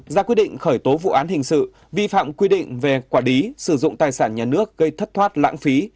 một ra quy định khởi tố vụ án hình sự vi phạm quy định về quả đí sử dụng tài sản nhà nước gây thất thoát lãng phí